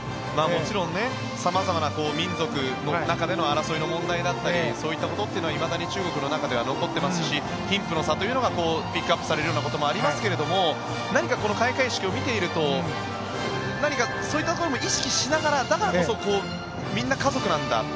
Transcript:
もちろん、様々な民族の中での争いの問題だったりそういったことはいまだに中国の中では残ってますし貧富の差というのがピックアップされるようなこともありますけど何かこの開会式を見ているとそういったところも意識しながらだからこそ、みんな家族なんだ